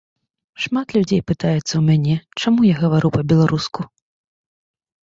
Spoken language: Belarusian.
Шмат людзей пытаюцца ў мяне, чаму я гавару па-беларуску.